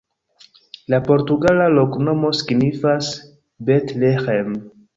La portugala loknomo signifas: Bet-Leĥem.